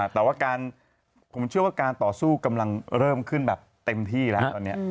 แต่ว่าผมเชื่อว่าการต่อสู้กำลังเริ่มขึ้นแบบเต็มที่แล้วตอนนี้